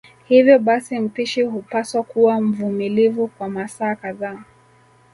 Hivyo basi mpishi hupaswa kuwa mvumilivu kwa masaa kadhaa